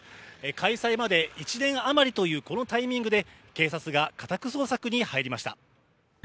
開催まで１年余りというこのタイミングで、警察が家宅捜索に入りました。